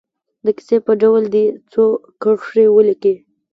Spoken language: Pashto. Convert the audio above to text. د کیسې په ډول دې څو کرښې ولیکي.